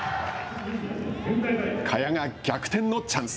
萱が逆転のチャンス。